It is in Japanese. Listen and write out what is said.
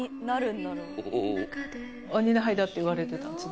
「鬼のはいだ」って言われてたんですよ